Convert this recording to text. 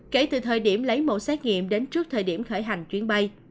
kể từ thời điểm lấy mẫu xét nghiệm đến trước thời điểm khởi hành chuyến bay